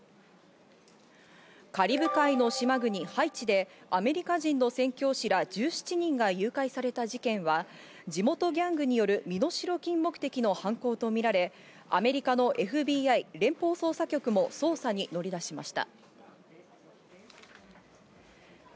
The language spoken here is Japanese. カリブ海の島国ハイチでアメリカ人の宣教師ら１７人が誘拐された事件は、地元ギャングによる身代金目的の犯行とみられ、アメリカのＦＢＩ＝連邦捜査局も捜査に乗り出しました。